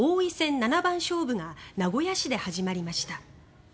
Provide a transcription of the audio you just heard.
七番勝負が名古屋市で始まりました。